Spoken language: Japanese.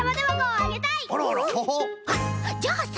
あっじゃあさ